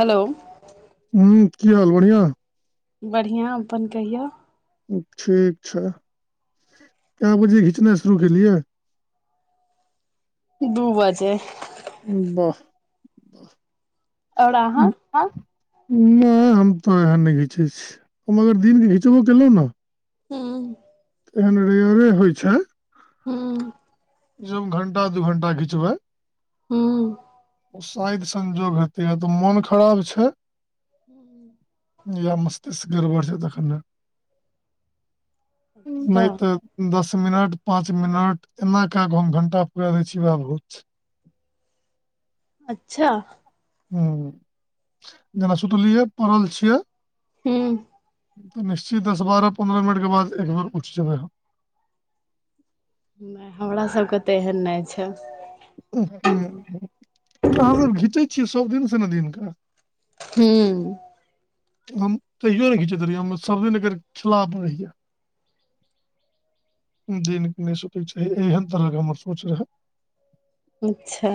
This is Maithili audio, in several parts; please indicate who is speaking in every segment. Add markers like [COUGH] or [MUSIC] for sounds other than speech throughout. Speaker 1: हलो।
Speaker 2: हँ की हाल बढ़ियां।
Speaker 1: बढ़ियां अप्पन कहियौ?
Speaker 2: ठीक छै केए बजे घिचनै शुरू केलिय।
Speaker 1: दू बजे।
Speaker 2: बाह आ
Speaker 1: आओर अहाँ
Speaker 2: हऽ नै हम तऽ एहेन नै घिचै छी हम अगर दिन मे घिचबो केलौ न
Speaker 1: हूँ।
Speaker 2: एहन रेयरे होइ छै।
Speaker 1: हूं।
Speaker 2: जे हम घंटा दू घंटा घिचबै।
Speaker 1: हूँ
Speaker 2: शाइद-संजोग हेतै या तऽ मोन खराब छै।
Speaker 1: हूं
Speaker 2: या मस्तिष्क गड़बड़ छै तखन ने। नै
Speaker 1: अच्छा
Speaker 2: तऽ दस मिनट पाँच मिनट एना कऽ गो हम घंटा पूराले छियै बाबू
Speaker 1: अच्छा।
Speaker 2: हूं जेना सुतलियै पड़ल छियै।
Speaker 1: हूं।
Speaker 2: निश्चित दस बारह पन्द्रह मिनट के बाद एकबेर उठ जेबै।
Speaker 1: नै हमरा सबके तऽ एहन नै छै।
Speaker 2: [UNINTELLIGIBLE] अहाँ सब घीचै छियै सब दिन स न दिन कऽ।
Speaker 1: हूं।
Speaker 2: हम तैयो नै घिचैत रहियै हम सबे नगर खिलाफ रहिय। दिन में सुतय छैय एहेन तरह के हमर सोच रहे।
Speaker 1: अच्छा।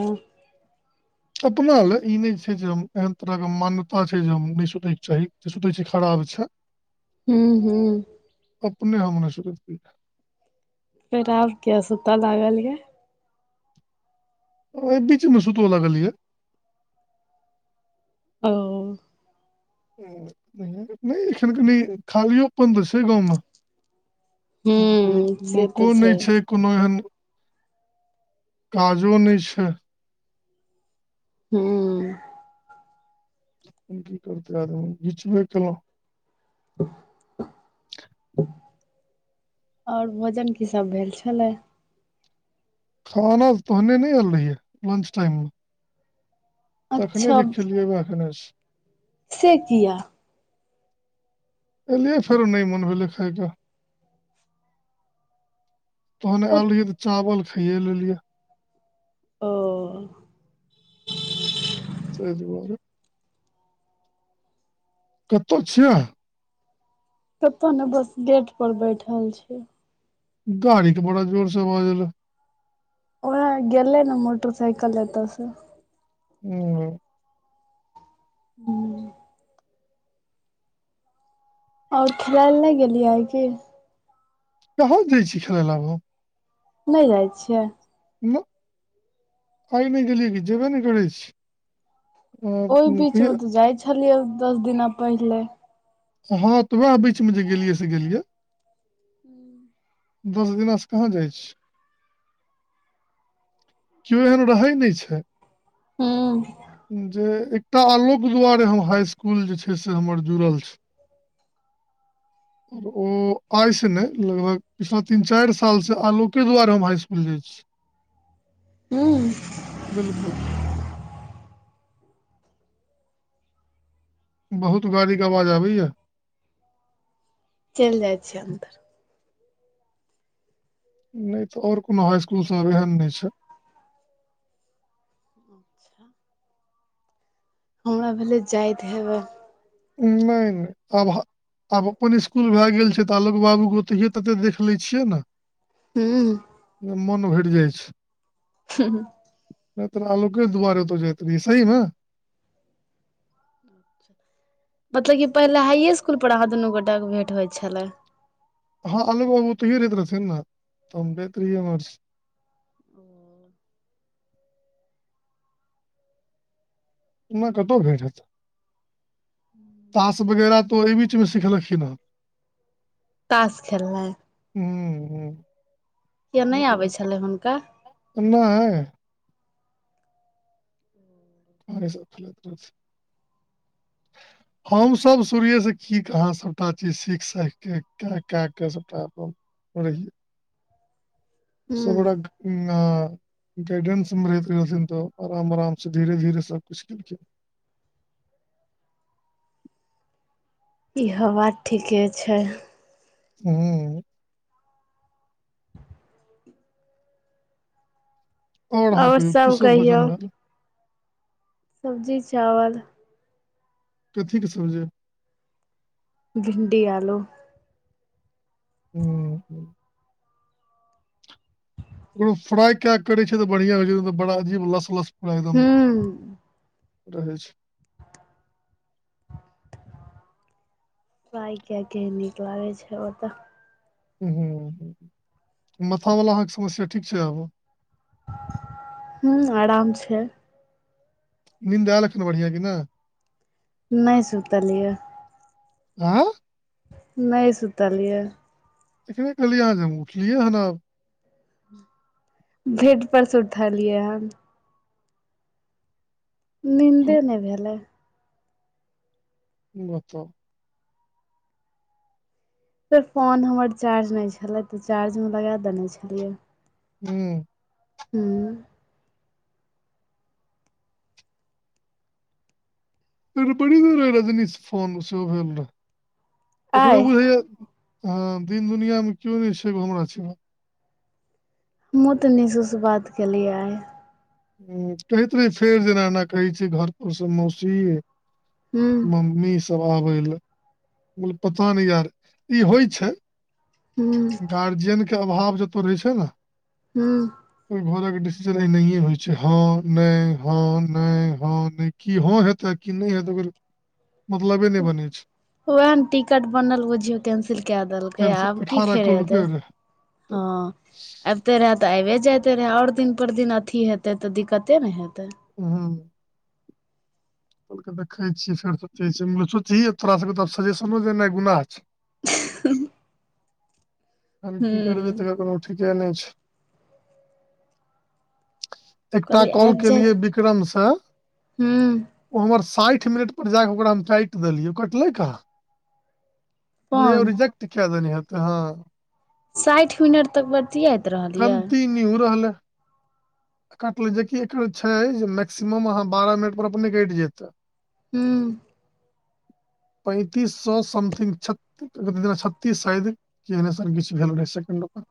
Speaker 2: अपना लए ई नै छै जे हम एहन तरह के मान्यता छै जे हम नै सुतय के चाही जे सुतै छै खराब छै।
Speaker 1: हूं-हूं
Speaker 2: अपने हम नै सुतैत रहियै।
Speaker 1: फेर आब किया सूतऽ लागल यऽ।
Speaker 2: ओइ बीच में सुतहो लगलियै।
Speaker 1: ओ।
Speaker 2: नै एखन कनि खालियोपन तऽ छै गाँव में।
Speaker 1: हूँ से तऽ
Speaker 2: लोको नै छै कुनो एहन। काजो नै छै।
Speaker 1: हूँ।
Speaker 2: तहन की करतै आदमी घीचबे केलौ।
Speaker 1: ओर भोजन की सब भेल छलेह?
Speaker 2: खाना तोहने नै एल रहियै लंच टाइम में। तखने
Speaker 1: अच्छा
Speaker 2: जे खेलियै वैह खेने छी।
Speaker 1: से किया?
Speaker 2: एलियै फेरो नै मोन भेलै खाएके। तोहन एल रहियै तऽ चावल फीरए लेलिय।
Speaker 1: ओ।
Speaker 2: तय दुआरे। कत छियै अहां?
Speaker 1: कतौ ने बस गेट पर बैठल छीयै।
Speaker 2: गाड़ी के बड़ा जोर सँ बजल या।
Speaker 1: ओहै गेलै ने मोटरसाइकल एतऽ सँ।
Speaker 2: हूँ।
Speaker 1: हूँ। और खेलाय ले नहि गेलियै आइ कि?
Speaker 2: कहाँं जाइ छी खेलै ला आब हम।
Speaker 1: नहि जाइ छियै।
Speaker 2: न आइ नहि गेलियै, कि जेबे नै करै छी। अ
Speaker 1: ओहि बीच
Speaker 2: कहिया
Speaker 1: मे तऽ जाइ छलियै, दस दिना पहिले।
Speaker 2: हँ तऽ वैह बीच मे जे गेलियै से गेलियै। दस दिना से कहाँ जाइ छीयै। केओ एहन रहै नहि छै।
Speaker 1: हूँ
Speaker 2: जे एकटा आलोक दुआरे हम हाई इस्कुल जे छै से हमर जुड़ल छै। ‌ [INAUDIBLE] ओ आइ सँ नहि, लगभग पिछला तीन चाइर साल सँ आलोके दुआरे हम हाई इस्कुल जाइ छीयै।
Speaker 1: हूँ।
Speaker 2: बिलकुल। बहुत गाड़ी के अवाज आबैया।
Speaker 1: चैल जाइ छियै अन्दर।
Speaker 2: नहि तऽ और कोनो हाई स्कुल सब एहन नहि छै।
Speaker 1: अच्छा। हमरा भेलै जाइत हेबै।
Speaker 2: नहि -नहि अब ह आब अपन स्कूल भए गेल छै तऽ, आलोक बाबू ओ तहिये तते देख लै छियै न।
Speaker 1: हूँ।
Speaker 2: मोन भैर जाइ छै।
Speaker 1: हूँ -हुँ।
Speaker 2: नहि तऽ आलोकेे दुआरे ओत जैत रहिए, सही मे।
Speaker 1: मतलब कि पहिले हाइए स्कुल पर अहाँ दुनू गोटा के भेंट होइ छलै।
Speaker 2: हँ अलोक बाबु ओतहीए रहैत रहथिन न, त हम जाइत रहिए उमहरे। उन्ना कतऽ भेट हैत। तास बगैरा तऽ ओहि बीच मे सिखलखिन हँ।
Speaker 1: तास खेलनाइ।
Speaker 2: हूँ- हूँ।
Speaker 1: किया नै आबै छलै हुनका?
Speaker 2: नै। ह गे सब ठीके छै। हमसब शुरुए से की- कहाँ सभटा चीज सीख- साख के क क सबटा अपन ओहिल। सब
Speaker 1: हूँ
Speaker 2: रंग। उँ हँ गाइडेंस मे रहैत रहथिन तऽ, अराम -अराम से धीरे- धीरे सबकुछ केलखिन।
Speaker 1: इहो बात ठीके छै।
Speaker 2: हूम्म। और अहाँ
Speaker 1: आओर
Speaker 2: कहियौ, की सब
Speaker 1: कहियौ
Speaker 2: भोजन भेल?
Speaker 1: सब्जी चावल।
Speaker 2: कथीे के सब्जी?
Speaker 1: भिण्डी आलू।
Speaker 2: हूँम्म हुॅं। ओ फ्राइ कैऽ करै छैय तऽ बढ़िआँ होइ छै, नैय त बड़ा अजीब लस-लस पुरा एकदम
Speaker 1: हूँ
Speaker 2: रहै छै।
Speaker 1: फ्राइ कैऽ के नीक लागै छै ओतऽ।
Speaker 2: हूँ-हूॅं, मथा वला अहाँके समस्या ठीक छै आब?
Speaker 1: हूँम्म, आराम छै।
Speaker 2: निन्द एल अखन बढ़ियाँ कि नै?
Speaker 1: नैय सुतलियै।
Speaker 2: आँ?
Speaker 1: नहि सुतऽलियै।
Speaker 2: एखने कहलियै अहाँ, जे हम उठलियै हन आब।
Speaker 1: बेड पर स उठलियै हन।
Speaker 2: हम
Speaker 1: निन्दे नै भेलै।
Speaker 2: बताउ?
Speaker 1: फेर फोन हमर चार्ज नैय छल्ला, तऽ चार्ज मे लगा देने छलियै।
Speaker 2: हूँम्म।
Speaker 1: हूँम्म।
Speaker 2: फेर बड़ी देर रै रजनीश फोन सेहो भेल रहै, ओकरो
Speaker 1: आइ
Speaker 2: बुझाइयैऽ हँ, दिन दुनिया में कियो नैय छै एगो हमरा सिबा।
Speaker 1: हमुॅं तऽ निशु स बात केलियै।
Speaker 2: हूँ, कहैत रहे छैय जे एना एना कहै छै घऽर पर स मौसी।
Speaker 1: ह
Speaker 2: मम्मी सब आबै लैऽ, हम कलियै पता नै यार ई होइ छै।
Speaker 1: ह
Speaker 2: गार्जियन के अभाव जत्ताऽ रहै छै न?
Speaker 1: हुॅंम्म।
Speaker 2: ओई घरक डिसीजन एनाहिये होइ छै, हँ, नै, हँ, नै, हँ, नै, कि हँ हेतैऽ कि नै हेतै ओकर मतलबे नैय बनै छै।
Speaker 1: वैह न टिकट बनल बुझियौ कैंसिल कैऽ देलकै,
Speaker 2: केहन से
Speaker 1: आब की
Speaker 2: अठारह
Speaker 1: फेर एतै?
Speaker 2: कहलकै रहए तऽ
Speaker 1: हँ। अबिते रहैऽ तऽ आइबे जइते रहैऽ, और दिन पर दिन अथी हेतै तऽ दिक्कते न हेतै?
Speaker 2: हूँ। कहलकै देखै छियै फेर सोचै छियै, हम्म सोचही तोरा सबके तऽ आब सजेशनो देनाई गुनाह छै।
Speaker 1: हूंः।
Speaker 2: आब इ की करबै?
Speaker 1: हूं
Speaker 2: तकर कोनो ठीके नै छै। एकटा
Speaker 1: कहली
Speaker 2: कॉल
Speaker 1: आबि
Speaker 2: केलियै
Speaker 1: जाइत
Speaker 2: बिक्रम स
Speaker 1: हूं
Speaker 2: ओ हमर साठि मिनट पर जाकऽ ओकरा हम काइट देलियै, ओ कटलै कहाँ? बुझाइयैऽ ओ
Speaker 1: कोन
Speaker 2: रिजेेक्ट कैऽ देने हेतै, हँ।
Speaker 1: साइठ मिनट तक बतियाइत रहलियै?
Speaker 2: निहू रहलै कटल जेकि एकर छै जे मैक्सिमम अहाँ बारह मिनट पर अपने कटि जेतै।
Speaker 1: हूँ।
Speaker 2: पैंतीस सौ समथिंग छत्तीस शायद। कि एहने सन किछु भेल रहे सेकेंड ओकर।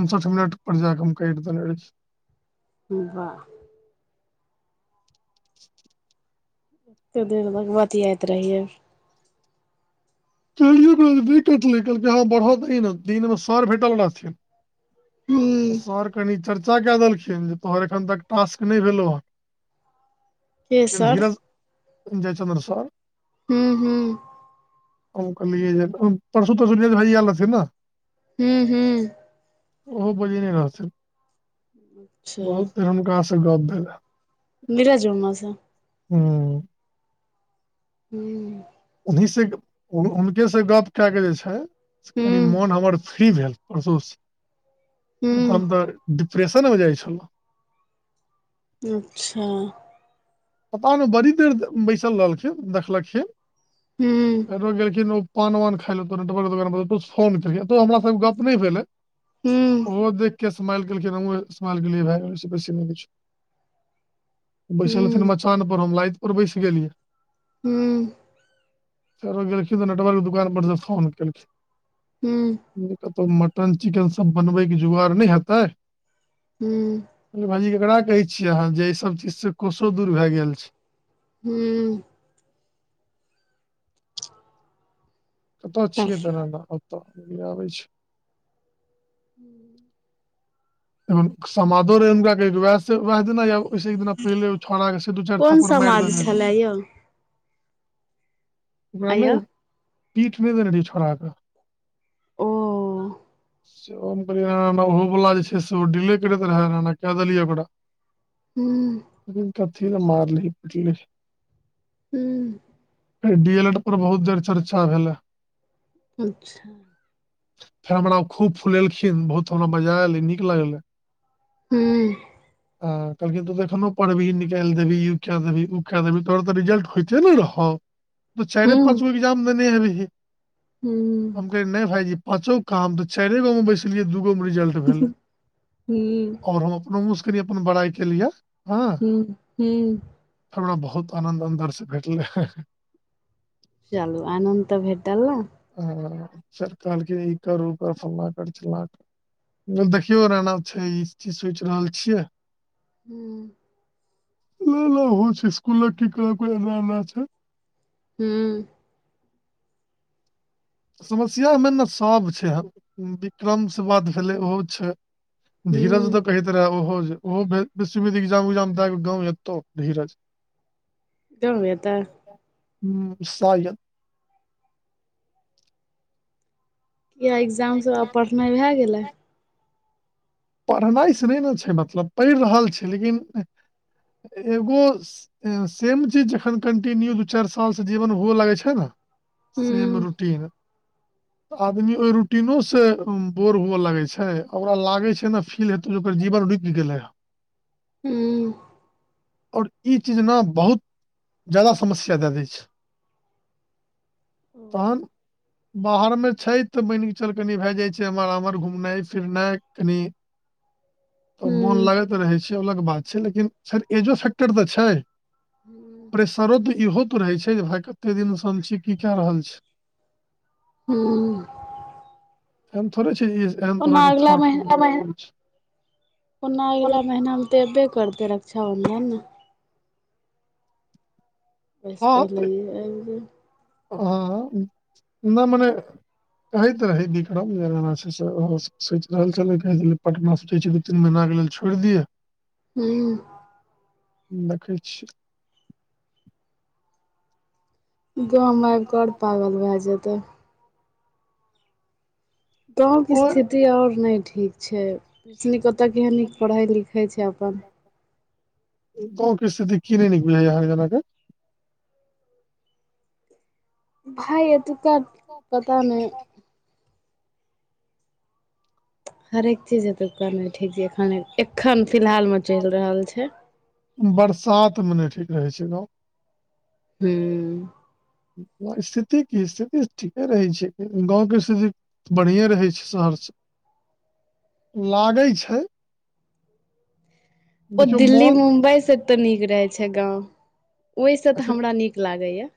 Speaker 2: उनसठ मिनट पर जाकऽ हम कैट देने रहिऐ।
Speaker 1: वाह।
Speaker 2: [INAUDIBLE]
Speaker 1: कतेक देर बतियाइत रहै यऽ।
Speaker 2: कैलिए टा तऽ नै कटलै कहलकै हँ बढ़ऽ दही नऽ दिनमे सर भेटल रहथिन।
Speaker 1: हूं
Speaker 2: तऽ सर कनि चर्चा कए देलखिन जे तोहर एखन तक टास्क नहि भेलौ
Speaker 1: के
Speaker 2: हेँ।
Speaker 1: सर
Speaker 2: धीरज [UNINTELLIGIBLE] हमर सार।
Speaker 1: हू हू।
Speaker 2: हम कहलियैजे परसु तरसु ले भैया एल रहथिन ने।
Speaker 1: हू हू।
Speaker 2: ओहो बजै ने रहथिन,
Speaker 1: अच्छा
Speaker 2: बहुते हुनका से गप भेले।
Speaker 1: नीरज मामासे।
Speaker 2: हूं।
Speaker 1: हूं।
Speaker 2: उन्हि से हुनके से गप कए केऽ जे छै कनि
Speaker 1: हूं
Speaker 2: मोन हमर फ्री भेल परशुसे, नै तऽ हम तऽ डिप्रेशनमे जाइ छलौं।
Speaker 1: अच्छा।
Speaker 2: पता नै बड़ी देर बैसल रहलखिन देखलखिन,
Speaker 1: हूं
Speaker 2: फेरो गेलखिन ओ पान वान खाय ले कोनो दुकान फोन केलखिन ओते हमरा संगे गप नै भेलै।
Speaker 1: हूं
Speaker 2: ओहो देख क इसमाइल केलखिन हमहुं इसमाइल केलियै भाइ ओइसं बेसी नै किछो। बैसल रहथिन
Speaker 1: हूं
Speaker 2: मचान पर हम लाइत पर बैस गेलियै।
Speaker 1: हूँ।
Speaker 2: फेरो गेलखिन तऽ नटवरके दुकान पर से फोन केलखिन।
Speaker 1: हूं।
Speaker 2: कतहु मटन चिकन सब बनबै के जोगाड़ नै हेतै?
Speaker 1: हूं।
Speaker 2: यौ भाइजी ककरा कहै छियै अहाँ जे एऐ सब चीजसँ कोसो दुर भैय गेल छै।
Speaker 1: हूं।
Speaker 2: कतए छियै दराना ओतऽ, हैया आबे छी।
Speaker 1: हूं।
Speaker 2: समदो रहै हुनका कहिदेने वैह दिना आव ओइसे एक दिना पहिले ओ छोड़ा के दू चारि
Speaker 1: कोन
Speaker 2: थप्पड़ मारि
Speaker 1: समाज
Speaker 2: देनै रहियै।
Speaker 1: छलए यौ
Speaker 2: ओकरा
Speaker 1: आंय
Speaker 2: नै
Speaker 1: यौ
Speaker 2: पीठ नै करबिहि छोड़ाके
Speaker 1: ओ
Speaker 2: सोम दिना ओहो बुलावै जे छै से ओ डिले करैके रेहा के देलियै ओकरा।
Speaker 1: हूं।
Speaker 2: दुर कथी ले मारलियै पिटलियै।
Speaker 1: हुँ
Speaker 2: डी एले ड पर बहुत देर चर्चा भेले।
Speaker 1: अच्छा।
Speaker 2: फेर हमरा खूब फुलेलखिन बहुत हमरा मजा एलै निक लगलै।
Speaker 1: हूं।
Speaker 2: हां कहलखिन त एखनो पड़बिहि निकालि देबही इ क देबी ओ क देबी तोहर तऽ रिजल्ट होयइते नै रहौ। तु चाइरे
Speaker 1: हुँ
Speaker 2: पाँच गो एग्जाम देने हेबहि,
Speaker 1: हुँ
Speaker 2: हम कहै नै भाइजी पांचोग कहां हमत चाइरे गो में बैसलियै दुगो मे रिजल्ट
Speaker 1: हूहू
Speaker 2: भेलै
Speaker 1: हू
Speaker 2: और हम अपनो मुँहसँ कनि अपन बड़ाइ केलियै। हँ
Speaker 1: हुं हूं
Speaker 2: हमरा बहुत आनंन्द अन्दर स भेटलै हे- हे
Speaker 1: चालु आनंन्द त भेटल न
Speaker 2: ह सर कहलखिन इ कर उकर फला कर चिल्ला कर [UNINTELLIGIBLE] यो रना छै इ चीज सोइच रहल छियै।
Speaker 1: हूं
Speaker 2: उलो ओहो छै स्कूललग की एकरा ओकरा नाना छै
Speaker 1: हूं।
Speaker 2: समस्यामे ने सब छै विक्रम से बात भेलै ओहो छै। धीरज
Speaker 1: हुँ
Speaker 2: दऽ कहैत रहै ओहो जे इग्जाम उग्जाम द क गाँव एतौ धीरज
Speaker 1: एकदम य तऽ
Speaker 2: हुं [UNINTELLIGIBLE]
Speaker 1: इएह एग्जाम सभ आब पढ़नाइ भए गेलै
Speaker 2: पढ़नाइ से नहि ने छै मतलब पढ़ि रहल छै लेकिन एगो सेम चीज जखन कंटिन्यू दू चार सालसँ जीवन हुअ लगैत छै न सेम
Speaker 1: हुँ
Speaker 2: रूटीन आदमी ओहि रूटीनो से बोर हुए लगे छै ओकरा लागे छै। केना फील हेतो जे ओकर जीवन रुक गेले हे
Speaker 1: हुँ
Speaker 2: और ई चीज नऽ बहुत जादा समस्या दए दै छै तहन। बाहर मे छै तऽ मान कऽ चल कनि भए जाइ छै, एमहर आमहर घुमनाइ फिरनाइ कनि तऽ मोन
Speaker 1: हुँ
Speaker 2: लगैत रहै छै अलग बात छै लेकिन सर एजो फेक्टर तऽ छै। प्रेेशरो तऽ इहो तऽ रहै छै जे भाय कते दिनसँ हम छी की कए रहल छी
Speaker 1: हूं।
Speaker 2: एहेन थोड़े छै एहेन तरह के
Speaker 1: अगिला
Speaker 2: थोट
Speaker 1: मही
Speaker 2: [UNINTELLIGIBLE] छै
Speaker 1: ओना अगिला महिनामे तऽ अयबे करतै रक्षाबन्धन। बस पहिलिये आइब जाइ
Speaker 2: हं नहि मने कहैत रहे बिक्रम [UNINTELLIGIBLE] सोच रहल छल पटना सोच तीन महिना के लेल छोड़ि दिये।
Speaker 1: हूं।
Speaker 2: देखै छी
Speaker 1: गाँवमे आबिकऽ और पागल भए जेतै। गाँवके
Speaker 2: ओ
Speaker 1: स्थित स्थिति ओर नहि ठीक छै ओय स नीक ओतऽ केह नीक पढ़ै लिखै छै अपन
Speaker 2: गाँव के कि स्थिति की नय निक बुझइया आँहा [UNINTELLIGIBLE]
Speaker 1: भाय एतुका पता नहि। हरेक चीज एतुका नय ठीक जे एखन एखन फिलहाल में चलि रहल छै
Speaker 2: बरसात मे नहि ठीक रहै छै गाँव।
Speaker 1: हूँ।
Speaker 2: स्थिति की स्थिति ठीके रहै छै, गाँवके स्थिति बढ़िए रहै छै शहर से, लागै छै।
Speaker 1: ओ
Speaker 2: देखियौ
Speaker 1: दिल्ली
Speaker 2: मोन
Speaker 1: मुम्बई से ते निक रहे छै गाँंव, ओहि से ते हमरा नीक लागै ये।